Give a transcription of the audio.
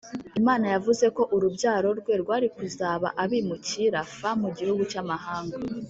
Imana yavuze ko urubyaro rwe rwari kuzaba abimukira f mu gihugu cy amahanga